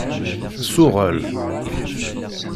Suɣel.